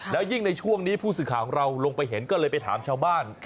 แล้วยิ่งในช่วงนี้ผู้สื่อข่าวของเราลงไปเห็นก็เลยไปถามชาวบ้าน